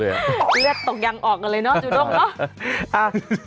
เลือดตกยังออกกันเลยเนาะจูด้งเนอะ